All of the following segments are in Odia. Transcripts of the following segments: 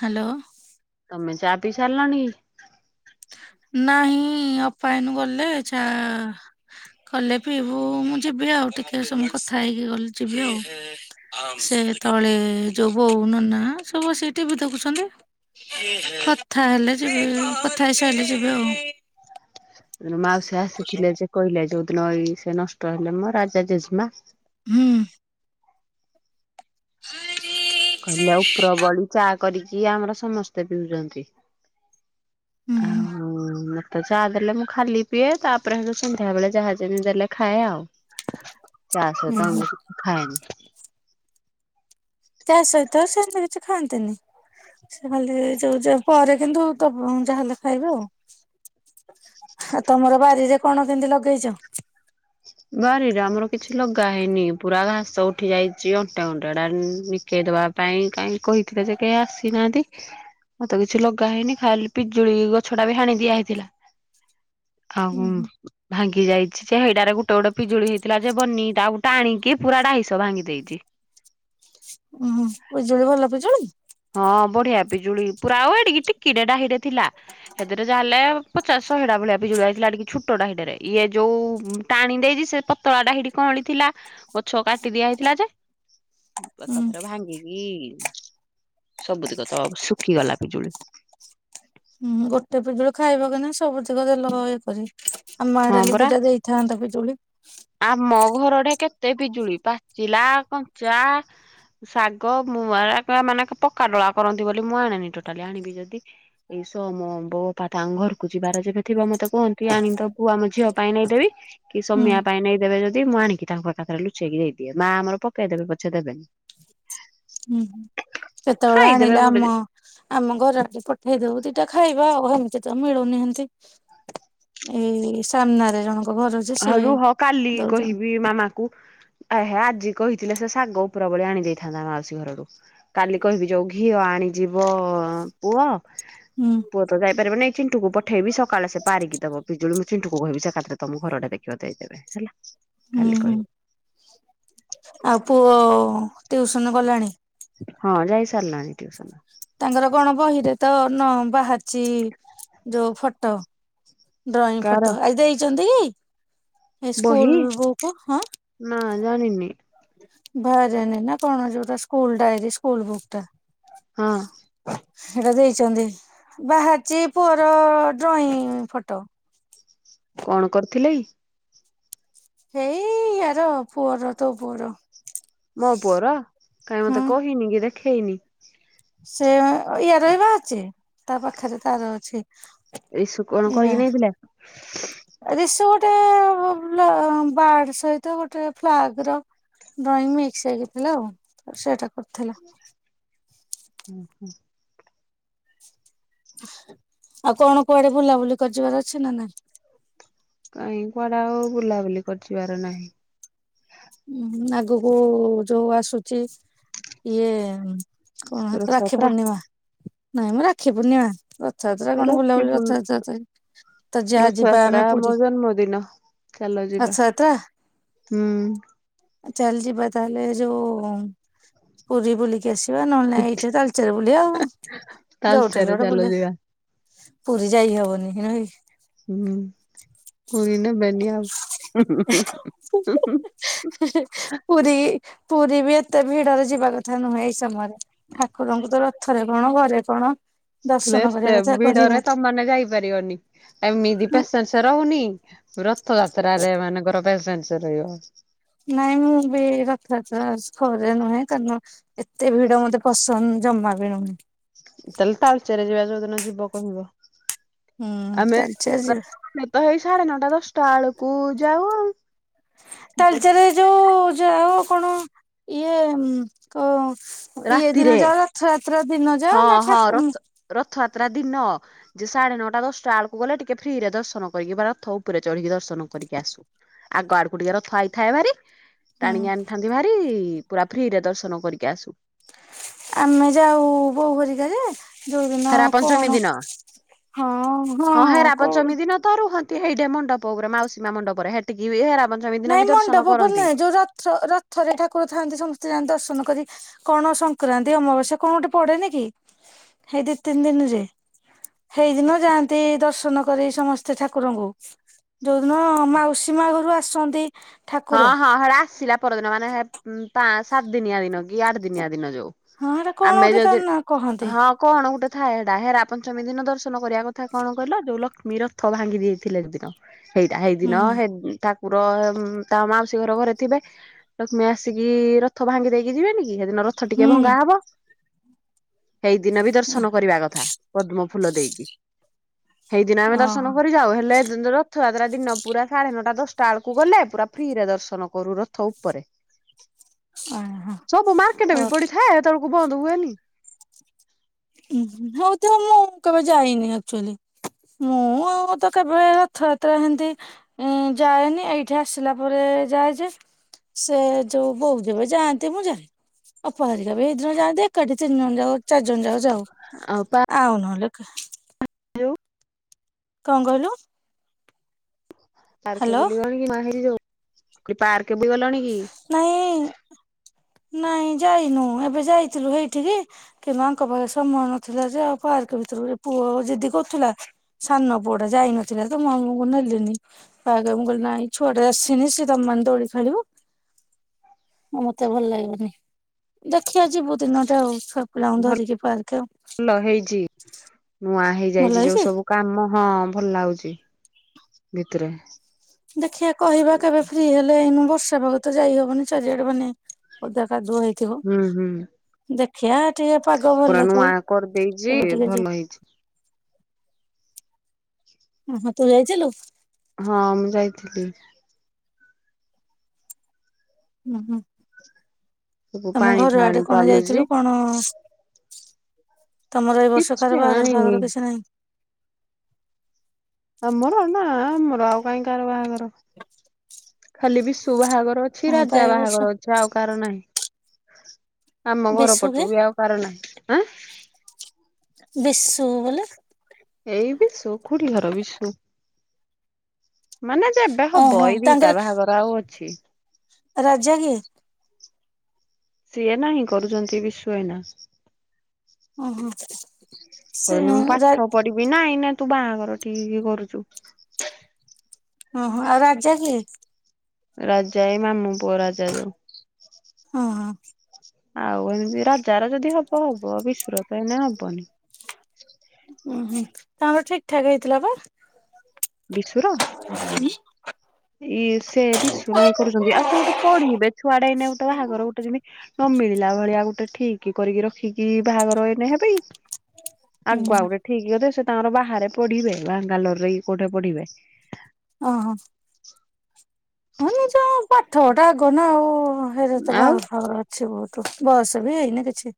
ହାଲୋ। ତମେ ଚା ପିଇ ସାଇଲଣି। ନାହିଁ ଅପା ଏନୁ ଗଲେ ଚାଆ। କଲେ ପିଇବୁ ମୁଁ ଯିବି ଆଉ ଟିକେ ସମ କଥା ହେଇକି ଗଲେ ଯିବି ଆଉ। ସେ ତଳେ ଯଉ ବୋଉ ନନା ସବୁ ସେ ଟିଭି ଦେଖୁଛନ୍ତି। [unintelligible] କଥା ହେଲେ ଯିବେ କଥା ହେ ସାରିଲେ ଯିବେ ଆଉ। ମାଉସୀ ଆସିଥିଲେ ଯେ କହିଲେ ଯୋଉଦିନ ଏଇ ସେ ନଷ୍ଟ ହେଲେ ମୋ ରାଜା ଜେଜେମା। ହୁଁ। [unintelligible] କହିଲି ଆଉ ଉପରବଳି ଚା କରିକି ଆମର ସମସ୍ତେ ପିଉଚନ୍ତି। ଆ ହୁଁ। ଓ ଲା। ଚାହା ଦେଲେ ମୁଁ ଖାଲି ପିଏ ତାପରେ ହେ ସନ୍ଧ୍ୟା ବେଳେ ଯାହା ଦେଲେ ଖାଏ ଆଉ। ଚା ସହିତ ହୁଁ। ମୁଁ ଖାଏନି। ତା ସହିତ ସେମିତି କିଛି ଖାଆନ୍ତିନି। ସେ ଖାଲି ଯୋ ଯଉ ପରେ କିନ୍ତୁ ତ ଯାହେଲେ ଖାଇବେ ଆଉ। ହା ତମର ବାରିରେ କଣ କେମିତି ଲଗେଇଛ? ବାରିରେ ଆମର କିଛି ଲଗା ହେଇନି ପୁରା ଘାସ ଉଠି ଯାଇଚି ଅଣ୍ଟା ଗଣ୍ଟା ଡାନି। କେ ଦବା ପାଇଁ କାହିଁ କହିଥିଲେ ଯେ କେହି ଆସିନାହାନ୍ତି। ମତେ କିଛି ଲଗା ହେଇନି ଖାଲି ପିଜୁଳି ଗଛ ଟା ବି ହାଣି ଦିଆ ହେଇଥିଲା। ଆଉ ଉୁଁ ହୁଁ ଭାଙ୍ଗି ଯାଇଛି ଯେ ଏଇଡାରେ ଗୋ ଗୋଟ ଗୋଟେ ପିଜୁଳି ହେଇଥିଲା ଯେ ବନି ତା ଗୋଟେ ଟାଣିକି ପୁରା ଢାଇସ ଭାଙ୍ଗି ଦେଇଚି। ଉୁଁ ହୁଁ ପିଜୁଳି ଭଲ ପିଜୁଳି। ହଁ ବଢିଆ ପିଜୁଳି ପୁରା ଆଉ ଆଡିକି କେଡେଡା [inaudible] ଥିଲା ସେଥିରେ ଯା ହେଲେ ପଚାଶ ଶହେଡା ଭଳିଆ ବିିଜୁଳି ଆଇଥିଲା ଏଟିକି ଛୁ। ପୋଡା ହିଡରେ ଇଏ ଯୋଉ ଟାଣି ଦେଇଚି ସେ ପତଳା ହେଇଟି କଅଁଳି ଥିଲା। ଗଛ କାଟି ଦିଆ ହେଇଥିଲା ଯେ ଉଁ ଏକଥର ଭାଙ୍ଗିଗି। ସବୁ ଦିଗ ତ ଶୁଖିଗଲା ପିଜୁଳି। ହୁଁ ଗୋଟେ ପିଜୁଳ ଖାଇବା କି ନା ସବୁତିକ ଦେଲ ଇଏ କରି ଆମ ଆଡ଼େ ହଁ ହେଲେ ପରା ଦିଟା ଦେଇଥାନ୍ତା ପିଜୁଳି। ଆମ ଘରଟେ କେତେ ପିଜୁଳି ପାଚିଲା କଞ୍ଚା ଶାଗ ମୁଁ ମାନେ ମାନେକେ ପକ୍କା ଡଳା କରନ୍ତି ବୋଲି ମୁଁ ଆଣିନି ଟୋଟାଲି ଆଣିବି ଯଦି ଏଇସ ମୋ ବୋପା ତାଙ୍କ ଘରକୁ ଯିବାର ଯେବେ ଥିବ ମତେ କୁହନ୍ତି ଆଣିଦ କୁ ଆମ ଝିଅ ପାଇଁ ନେଇଦେବି କି ହୁଁ ସମୟା ପାଇଁ ନେଇଦେବେ ଯଦି ମୁଁ ଆଣିକି ତାଙ୍କ ପାଖକୁ ପାଖରେ ଲୁଚେଇକି ଦେଇଦିଏ ମା ଆମର ପକେଇଦବେ ପଛେ ଦେବେନି। ହୁଁ ହୁଁ କେତେବେଳେ ଖାଇଦେବେ ଆଣିଲେ ଗୋଟେ ଆମ ଆମ ଘରଆଡେ ପଠେଇ ଦଉ ଦିଟା ଖାଇବା ଆଉ ଏମିତି ତ ମିଳୁନାହାନ୍ତି। ଏଇ ସାମ୍ନାରେ ଜଣଙ୍କ ଘର ଯେ ହୋଉ ସିଏ ରୁହ କାଲି ଦଉଛନ୍ତି କହିବି ମାମା କୁ ଏ ହା ଆଜି କହିଥିଲେ ସେ ଶାଗ ଉପର ଭଳି ଆଣି ଦେଇେଇଥାନ୍ତା ମାଉସୀ ଘରଆଡୁ। କାଲି କହିବି ଯୋଉ ଘିଅ ଆଣିଯିବ ପୁଅ ହୁଁ। ପୁଅ ତ ଯାଇାରିବନାଇଇ ଚିଣ୍ଟୁକୁ ପଠେଇବି ସକାଳେ ସେ ପାରିକି ଦବ ପିଜଳି ମୁଁ ଚିଣ୍ଟୁକୁ କହିବି ସେ ଏକାବେଳେ ତମ ଘରଆଡେ ଦେଖିବ ଦେଇଦବ ହେଲା। ହୁଁ କାଲି ହୁଁ କହିବି ଆଉ ପୁଅ ଟିଉସନ ଗଲାଣି? ହଁ ଯାଇ ସାରିଲାଣି ଟ୍ୟୁସନ। ତାଙ୍କର କଣ ବହିରେ ତ ନ ବାହାରିଚି ଯୋଉ ଫଟୋ ଡ୍ରଇଂ କାର ଫଟୋ ଆଜି ଦେଇଛନ୍ତି କି ଏ ବହି ସ୍କୁଲ ବୁକ୍ ହଁ ନା ଜାଣିନି। ଭଜନି ନା କଣ ଯୋଉଟା ସ୍କୁଲ ଡାଇର ସ୍କୁଲ ବୁକ୍ ଟା। ହଁ। ହେଟା ଦେଇଛନ୍ତି ବାହାରିଚି ପୁଅର ଡ୍ରଇଂ ଫଟୋ। କଣ କରିଥିଲେ କି? ଏଇ ଆର ପୁଅର ତ ପୁଅର। ମୋ ପୁଅର କାହିଁ ହୁଁ ମତେ କହିନି କି ଦେଖେଇନି। ସେ ୟାରବି ବାହାରଚି ତା ପାଖରେ ତାର ଅଛି। ଇସୁ କଣ ଇଏ କରିକି ନେଇଥିଲେ? ରିସୁ ଗୋଟେ ଲୋ ବାଡ ସହିତ ଗୋଟେ ଫ୍ଲାଗ ର ଡ୍ରଇଂ ମିକ୍ସ ହେଇକିଥିଲା ଆଉ ସେଇଟା କରିଥିଲା। ହୁଁ ହୁଁ। ଆଉ କଣ କୁଆଡେ ବୁଲାବୁଲି କରିିଯିବାର ଅଛି ନା ନା? କାଇଂ କୁଆଡେ ଆଉ ବୁଲାବୁଲି କରିିଯିବାର ନାହିଁ। ହଁ ଆଗକୁ ଯୋଉ ଆସୁଛି ଇଏ କଣ ରାକ୍ଷୀ ରଥଯାତ୍ରା ପୂର୍ଣ୍ଣିମା ନାଇଁ ମୋ ରାକ୍ଷୀ ପୂର୍ଣ୍ଣିମା। ରଥଯାତ୍ରା କଣ ବୁଲାବୁଲି ରଖିବୁନ ରଥଯାତ୍ରା ତ ଏଇ ରଥଯାତ୍ରା ମୋ ଜନ୍ମଦିନ ଚାଲ ଯିବା। ରଥଯାତ୍ରା ହୁଁ। ଚାଲ ଯିବା ତାହେଲେ ଯୋ ପୁରୀ ବୁଲି ଲି କି ଆସିବା ନହେଲେ ନାଇଁ ଏଇଠି ତାଲଚେର ବୁଲିବାଆଉ ଯୋଉଠି ହେଲେ ତାଲଚେର ଗୋଟେ ଚାଲ ବୁଲିବା। ଯିବା ପୁରୀ ଯାଇ ହବନି ନୋଇ। ହଁ ପୁରୀ ନେବେନି ଆଉ ହୁଁ ହୁଁ। ପୁରୀ ପୁରୀ ବି ଏତେ ଭିଡରେ ଯିବା କ ଥା ନୁହେଁ ଏଇ ସମୟରେ ଠାକୁରଙ୍କୁ ତ ରଥରେ କଣ ଘରେ କଣ ଦର୍ଶନ କରିବା କଥା କରିବ। [unintelligible] ତମମାନେେ ଯାଇପାରିବନି [unintelligible] ରହୁନି। ରଥଯାତ୍ରାରେ ଏମାନଙ୍କର ପ୍ରେଜେନ୍ସ ରହିବ। ନାହିଁ, ମୁଁ ବି ରଥଯାତ୍ରା ଖରେ ନୁହେଁ କାରଣ ଏତେ ଭିଡ଼ ମତେ ପସନ୍ଦ ଜମା ବି। [unintelligible] [unintelligible] ଯୋଉଦିନ ଯିବ କହିବ। ହୁଁ ଆମେ ତାଳଚେର ଯିବା। [inaudible] ତ ସାଢେ ନଅଟା ଦଶଟା ବେଳକୁ ଯାଉ। [inaudible] ତାଳଚେରରେ ଯୋଉ ଯ ଆଉ କଣ ଇଏ କ ଇଏ ଦିନ ରାତିରେ। ଯାଅ, ରଥଯାତ୍ରା ଦିନ ଯାଅ ହଁ ନା ହଁ ଠାକୁ ରଥ ରଥଯାତ୍ରା ଦିନ ଯେ ସାଢ଼େ ନଅଟା ଦଶଟା ବେଳକୁ ଗଲେ ଟିକେ ଫ୍ରିରେ ଦର୍ଶନ କରିକି ବା ରଥ ଉପରେ ଚଢିକି ଦର୍ଶନ କରିକି ଆସୁ। ଆଗ ଆଡ଼କୁ ଟିକେ ରଥ ଆଇଥାଏ ଭାରି। ଟାଣିକି ଆଣିଥାନ୍ତି ଭାରି ପୁରା ଫ୍ରିରେ ଦର୍ଶନ କରିକି ଆସୁ। ଆମେ ଯାଉ ବୋଉ ହରିକାଏ ଯେ। ଯୋଉଦିନ ହେରା ପଞ୍ଚମୀ କଣ ଦିନ। ହଁ ହଁ ହେରା କଉ। ପଞ୍ଚମୀ ଦିନ ତ ରୁହନ୍ତି ସେଇଟେ ମଣ୍ଡପ ଉପରେ ମାଉସୀମା ମଣ୍ଡପରେ ହେଟିକି ହେରା। ପଞ୍ଚମୀ ଦିନ ନାହିଁ ବି ଦର୍ଶନ ମଣ୍ଡପ ଉପରେ କରନ୍ତି। ନୁହେଁ ଯୋଉ ରଥ ରଥରେ ଠାକୁର ଥାଆନ୍ତି ସମସ୍ତେ ଯାନ୍ତି ଦର୍ଶନ କରି। କଣ ସଂକ୍ରାନ୍ତି ଅମାବାସ୍ୟା କଣ ଗୋଟେ ପଡେନି କି ଏଇ ଦି ତିନି ଦିନରେ। ସେଇଦିନ ଯାଆନ୍ତି ଦର୍ଶନ କରି ସମସ୍ତେ ଠାକୁରଙ୍କୁ। ଯୋଉଦିନ ମାଉସୀ ମା ଘରୁ ଆସନ୍ତି। ଠାକୁର ହଁ ହଁ ସେ ଆସିଲା ପରଦିନ ମାନେ ପାଁ ସାତ ଦିନିଆ ଦିନ। ଆଠ ଦିନିଆ ଦିନ ଯୋଉ ହଁ ହେଟା କଣ ଆମେ ଗୋଟେ ତା ଯଦି ନା କହନ୍ତି ହଁ। କଣ ଗୋଟେ ଥାଏ ଏଟା ହେରା ପଞ୍ଚମୀ ଦିନ ଦର୍ଶନ କରିବା କଥା କଣ କହିଲ ଯୋଉ ଲକ୍ଷ୍ମୀ ରଥ ଭାଙ୍ଗି ଦେଇ ଦେଇଥିଲେ ସେ ଦିନ। ସେଇଟା ହୁଁ ସେଇଦିନ ସେ ହୁଁ ଠାକୁର। ତା ମାଉସୀ ଘର ଘରେ ଥିବେ। ପ୍ରଥମେ ଆସିକି ରଥ ଭାଙ୍ଗି ଦେଇକି ଯିବେନି କି? ସେଦିନ ରଥ ରଥ ଟିକେ ହୁଁ ଭଙ୍ଗା ହବ। ସେଇଦିନ ବି ହୁଁ ଦର୍ଶନ କରିବା କଥା ପଦ୍ମ ଫୁଲ ଦେଇକି। ସେଇଦିନ ଆମେ ଦର୍ଶନ ଓହୋ କରି ଯାଉ ହେଲେ। ରଥଯାତ୍ରା ଦିନ ପୁରା ସାଢ଼େ ନଅଟା, ଦଶଟା ବଳକୁ ଗଲେ ପୁରା ଫ୍ରିରେ ଦର୍ଶନ କରୁ ରଥ ଉପରେ। ଓହୋ ସବୁ ମାର୍କେଟ ବି ପଡିଥାଏ। [unintelligible] ବନ୍ଦ ହୁଏନି। ହଉ, ତ ମୁଁ କେବେ ଯାଇନି ଏକ୍ଟୁଲୀ। ମୁଁ ଆଉ ତ କେବେ ରଥଯାତ୍ରା ସେମିତି ଅଁ, ଯାଏନି, ଏଇଠି ଆସିଲା ପରେ ଯାଏ ଯେ। ସେ ଯୋଉ ବୋଉ, ଯେବେ ଯାଆନ୍ତି, ମୁଁ ଜାଏ। ଅପାହେରିକା ବି ସେ ଦିନ ଯାଆନ୍ତି ତ। ଏକାଠି ତିନି ଜଣ, ଚାରି ଜଣ ଜାକ ଯାଉ। ଆଉ ନହେଲେ ହ୍ୟାଲୋ। କଣ କହିଲୁ? ପାର୍କ ହ୍ୟାଲୋ ବୁଲିଗଣି କି, [unintelligible] ପାର୍କ ବୁଲି ଗଲାଣି କି? ନାହିଁ ନାହିଁ, ଯାଇନୁ। ଏବେ ଯାଇଥିଲୁ ହେଇଠିକି। କି, ମାଙ୍କ ପାଖରେ ସମୟ ନଥିଲା ଯେ? ଆଉ ପାର୍କ ଭିତରୁ ପୁଅ ଜିଦି କରୁଥିଲା। ସାନ ପୁଅଟା ଯାଇନଥିଲା ତ, ମୁଁ ମାମୁକୁ ନେଲିନି। ଆଁ, ମୁଁ କହିଲି ନାହିଁ, ଛୁଆଟ ଆସିନି। ସେ ତମେ ଦୋଳି ଖେଳିବ। ହଁ, ମତେ ଭଲ ଲାଗିବନି। ଦେଖିବା, ଯିବୁ ଦିନଟା ଆଉ। [unintelligible] ହଁ ହେଇଛି। ନୂଆ ଭଲ ହେଇଯାଇଛି ଯୋଉ ହେଇଛି ସବୁ କାମ, ହଁ ଭଲ ଲାଗୁଚି ଭିତରେ। ଦେଖିବା କହିବା କେବେ ହେଲେ ଏଇନୁ ବର୍ଷା ପାଗ ତ ଯାଇ ହବନି। ଚାରିଆଡେ ମାନେ ଓଦା କାଦୁଆ ହେଇ ଥିବ। ହୁଁ ହୁଁ ଦେଖିବା ଟିକେ ପାଗ ପୁରା ଭଲ ନୂଆ ଦଉ। କରିଦେଇଛି ଏବେ ଟିକେ ଭଲ ଯ ହେଇଛି ମତେ ଦେଇଥିଲୁ? ହଁ ମୁଁ ଯାଇଥିଲି। ଉଁ ହୁଁ, ସବୁ ତମ ପାଣି ଘରୁ ଫାଣି ଆଡେ କଣ ଚାଲୁଛି ଯାଇଥିଲୁ କଣ? ତମର ଏଇ ବର୍ଷ କିଛି କାହାର ବାହାଘର ଆଣିନି ଫାହାଘର କିଛି ନାହିଁ? ଆମର ନା ଆମର ଆଉ କାଇଁ କାହାର ବାହାଘର। ଖାଲି ବିସୁ ବାହାଘର ଛି ହଁ ପା ରାଜା ଏଇ ବର୍ଷ ବାହାଘର ଅଛି ଆଉ କାହାର ନାହିଁ। ଆମ ଘର ବେଶୁ ପଟୁ ବି ଆଉ କାହାର ନାହିଁଁ। ଏଁ? ବିଶୁ ବୋଲେ? ଏଇ ବିଶୁ, ଖୁଡି ଘର ବିଶୁ। ମାନେ ଯେବେ ହବ ଓହୋ ଏଇ ଦିଇଟା ତାଙ୍କର ବାହାଘର ଆଉ ଅଛି। ରାଜା କିଏ? ସିଏ ନାହିଁ କରୁଛନ୍ତି ବିଶୁ ଏଇନା। ଓହୋ ସେ କହୁଛନ୍ତି ମୁଁ ରା ପାଠ ପଢିି ବି ନା ଏଇନେ ତୁ ବାହାଘର ଠିଇକି କରୁଛୁ। ଓହୋ, ଆଉ ରାଜା କିଏ? ରାଜା ଏଇ ମାମୁଁ ପୁଅ ରାଜା ଯୋଉ। ଓହୋ ଆଉ ଏମିତି ରା ଜାର ଯଦି ହବ ହବ ବିଶୁ ର ତ ଏଇନେ ହବନି। ଉଁ ହୁଁ, ତାଙ୍କର ଠିକ୍ ଠାକ୍ ହେଇଥିଲା ପା? ବିଶୁର? [inaudible] ଇ ସେ ବିଶୁ ନାହିଁ କରୁଛନ୍ତି। ଆଉ ସେ ଗୋଟେ ପଢିବେ ଛୁଆଟେ ଏଇନେ ଗୋଟେ ବାହାଘର ଗୋଟେ ଯେମିତି ନ ମିଳିଲା ଭଳିଆ ଗୋଟେ ଠିଇକି କରିକି ରଖିକି ବାହାଘର ଏଇନେ ହେବେ। ଆଗୁଆ ହୁଁ ଗୋଟେ ଠିକ କରିଦେ। ସେ ତାଙ୍କର ବାହାରେ ପଢିବେ ବାଙ୍ଗାଲୋର ରେ କି କୋଉଠି ପଢିବେ। ଓ ହୋ। ହଁ ନି ଯ ପାଠଟା ଆଗ ନା ଆଉ। ହେରେ ତ ଆଉ ବାହାଘର ଫାହାଘର ଅଛି ବହୁତ। ବୟସ ବି ହେଇନି କିଛି।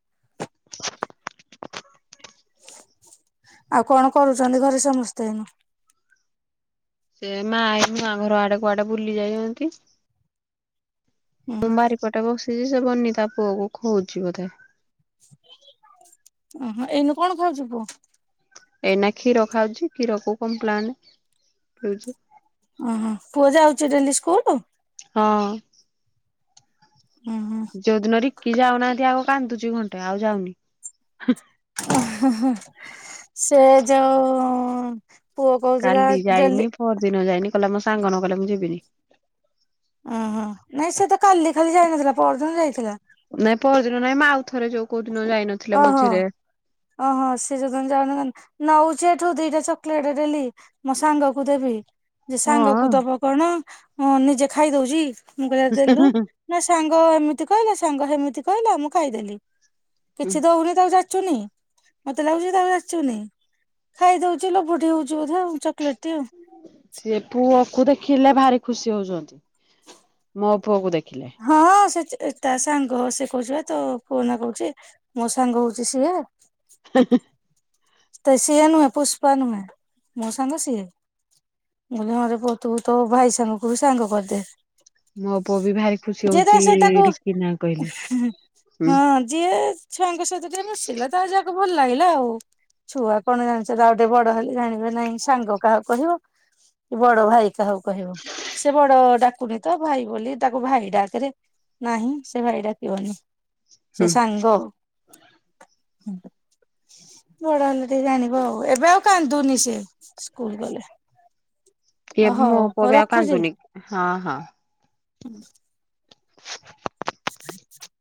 ଆଉ କଣ କରୁଛନ୍ତି ଘରେ ସମସ୍ତେ ଏଇନୁ? ସେ ମା ଏଇ ନୂଆ ଘର ଆଡେ କୁଆଡେ ବୁଲି ଯାଇଛନ୍ତି। ହୁଁ। ପଟେ ବସିଛି ସେ ବନି ତା ପୁଅକୁ ଖୋଉଛି ବୋଧେ। ଉଁ ହୁଁ ଏଇନୁ କଣ ଖାଉଛି ପୁଅ? ଏଇନା କ୍ଷୀର ଖାଉଛି। କ୍ଷୀର କୁ କମ୍ପ୍ଲାନ ପିଉଛି। ଉଁ ହୁଁ, ପୁଅ ଯାଉଛି ଡେଲି ସ୍କୁଲ? ହଁ। ଉଁ ହୁଁ। ଯୋଉ ଦିନ ରିକି ଯାଉନାହାନ୍ତି ଆଗ କାନ୍ଦୁଛି ଘଣ୍ଟେ ଆଉ ଯାଉନି। ସେ ଯୋଉ ପୁଅ କହୁଥିଲା କାଲି ଡେଲି ଯାଇନି, ପଅର ଦିନ ଯାଇନି। କହିଲା ମୋ ସାଙ୍ଗ ନ ଗଲେ ମୁଁ ଯିବିନି। ଓହୋ ନାଇଁ ସେ ତ କାଲି ଖାଲି ଯାଇନଥିଲା ପଅରଦିନ ଯାଇଥିଲା। ନାଇଁ ପଅରଦିନ ନାଇଁମ। ଆଉଥରେ ଯୋଉ କୋଉଦିନ ଯାଇନ ଓ ହୋ। ଓହୋ ସେ ଯଦ ଜାଣ ନଉଛି ଏଠୁ ଦିଟା ଚକୋଲେଟ ଦେଲି। ମୋ ସାଙ୍ଗ କୁ ଦେବି। ଯେ ସାଙ୍ଗ ହଁ କୁ ଦବ କଣ ନିଜେ ଖାଇଦଉଛି ମୁ କହିଲା ଦେଲୁ। ନା ସାଙ୍ଗ ଏମିତି କହିଲା ସାଙ୍ଗ ସେମିତି କହିଲା ମୁଁ ଖାଇଦେଲି। କିଛି ଦଉନି ତାକୁ ଯାଚୁନି ମତେ ଲାଗୁଛି ତାକୁ ଯାଚୁନି। ଖାଇଦଉଛି ଲୋଭଟି ହଉଛି ବଧେ ଚକୋଲେଟଟି ଆଉ। ସିଏ ପୁଅକୁ ଦେଖିଲେ ଭାରି ଖୁସି ହଉଛନ୍ତି। ମୋ ପୁଅକୁ ଦେଖିଲେ। ହଁ ସେ ତା ସାଙ୍ଗ ସେ କହୁଛି ତ ପୁଅନା କହୁଛି ମୋ ସାଙ୍ଗ ହଉଛି ସିଏ। ହଁ। ତ ସିଏ ନୁହେଁ ପୁଷ୍ପା ନୁହେଁ ମୋ ସାଙ୍ଗ ସିଏ। ବ ହଁରେ ପୋତୁ ତ ଭାଇ ସାଙ୍ଗକୁ ବି ସାଙ୍ଗ କରିଦେ। ମୋ ପୁଅ ବି ଭାରି ଖୁସି ଯିଏ ତା ହଉଛି ସହିତ ତାକୁ ରିକି ନା କହିଲେ। ହୁଁ ହଁ ଯିଏ ଛୁଆଙ୍କ ସହିତ ଟିକେ ମିଶିଲା ତା ଯାକ ଭଲ ଲାଗିଲା ଆଉ। ଛୁଆ କଣ ଜାଣିଛଉ ଗୋଟେ ବଡ ହେଲେ ଜାଣିବେ ନାଇଁ ସାଙ୍ଗ କାହାକୁ କହାଯିବ କି ବଡ ଭାଇ ଯାହାହଉ କହିବ ସେ ବଡ ଡା ରଖନି ତ ଭାଇ ବୋଲି ତାକୁ ଭାଇ ଡାକରେ ନାହିଁ ସେ ଭାଇ ଡାକିବନି। ସେ ହୁଁ ସାଙ୍ଗ। [unintelligible] ବଡ ହେଲା ଟିକେ ଜାଣିବ ଆଉ ଏବେ ଆଉ କାନ୍ଦୁନି ସେ ସ୍କୁଲ ଗଲେ। ଅ ମୋ ହଉ ପୁଅ ହଉ ବି ରଖୁଛି। କାନ୍ତୁନି ହଁ ହଁ। [inaudible] [inaudible]